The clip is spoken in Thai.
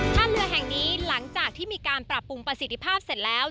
ถ้าเรือแห่งนี้หลังจากที่มีการปรับปรุงประสิทธิภาพเสร็จแล้ว